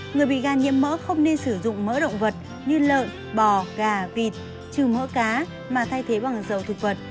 người bị gan nhiễm mỡ không nên sử dụng mỡ động vật như lợn bò gà vịt trừ mỡ cá mà thay thế bằng dầu thực vật